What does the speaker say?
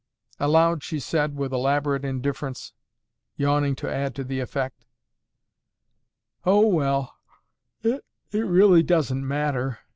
Aloud she said with elaborate indifference—yawning to add to the effect, "Oh, well, it really doesn't matter.